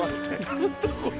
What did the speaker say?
何だこれ。